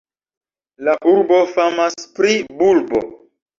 La urbo famas pri bulbo.